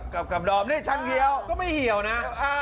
กลับนี่ช่างเหี่ยวก็ไม่เหี่ยวนะ